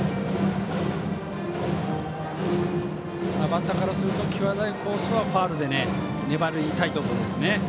バッターからすると際どいコースはファウルで粘りたいところですね。